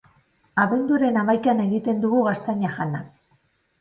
Abenduaren hamaikan egiten dugu gaztaina jana.